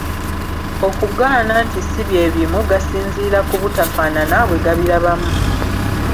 Okugana nti si bye bimu, gasinziira ku butafaanana bwe gabirabamu.